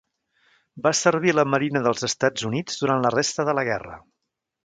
Va servir a la Marina dels Estats Units durant la resta de la guerra.